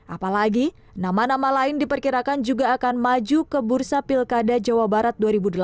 apalagi nama nama lain diperkirakan juga akan maju ke bursa pilkada jawa barat dua ribu delapan belas